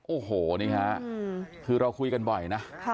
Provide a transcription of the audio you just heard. โอ้โหนี่คะอืมคือเราคุยกันบ่อยนะค่ะ